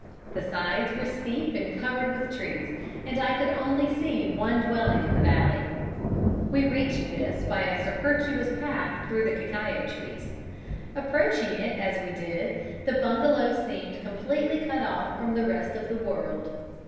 The sides were steep and covered with trees, and I could only see one dwelling in the valley. We reached this by a circuitous path through cacao trees. Approaching it as we did, the bungalow seemed completely cut off from the rest of the world.